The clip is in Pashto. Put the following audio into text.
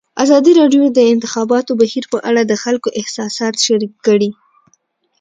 ازادي راډیو د د انتخاباتو بهیر په اړه د خلکو احساسات شریک کړي.